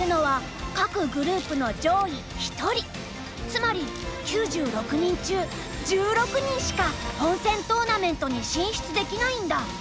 つまり９６人中１６人しか本戦トーナメントに進出できないんだ。